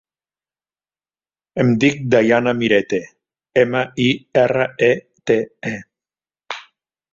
Em dic Dayana Mirete: ema, i, erra, e, te, e.